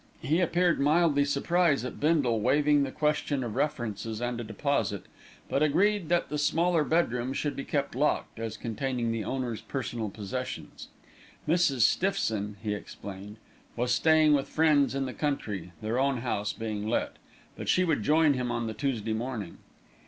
He appeared mildly surprised at Bindle waiving the question of references and a deposit; but agreed that the smaller bedroom should be kept locked, as containing the owner's personal possessions. Mrs. Stiffson, he explained, was staying with friends in the country, their own house being let; but she would join him on the Tuesday morning.